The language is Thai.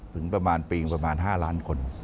ถึงประมาณปีประมาณ๕ล้านคน